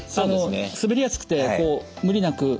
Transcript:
滑りやすくて無理なく。